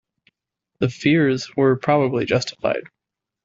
The fears were probably justified.